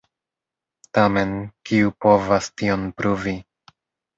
Tamen, kiu povas tion pruvi?